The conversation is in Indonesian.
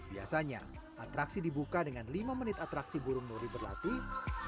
biasanya atraksi dibuka dengan lima menit atraksi burung nuri berlatih